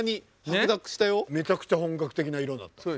めちゃくちゃ本格的な色になった。